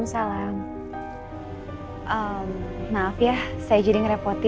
maaf ya saya jadi ngerepotin